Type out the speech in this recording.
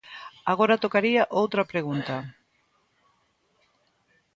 Agora tocaría outra pregunta.